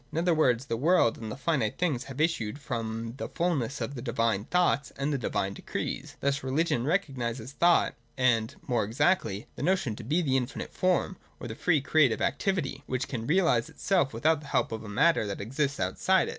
In other words, the world and finite things have issued from the fulness of the divine thoughts and the divine decrees. Thus religion recognises thought and (more exactly) the notion to be the infinite form, or the free creative activity, which can realise itself without the help of a matter that exists outside it.